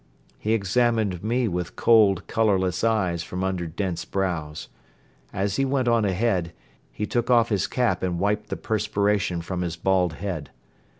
He examined me with cold, colorless eyes from under dense brows. As he went on ahead, he took off his cap and wiped the perspiration from his bald head.